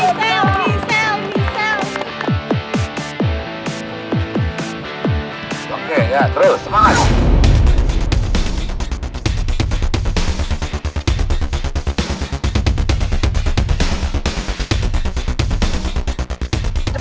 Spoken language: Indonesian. cepat cepat cepat semangat semangat dong